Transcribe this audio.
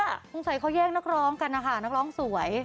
สงสัยเขาแย่งนักร้องกันนะคะนักร้องสวย